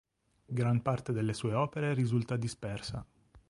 Gran parte delle sue opere risulta dispersa.